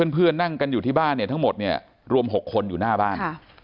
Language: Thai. เพื่อนนั่งกันอยู่ที่บ้านเนี่ยทั้งหมดเนี่ยรวม๖คนอยู่หน้าบ้าน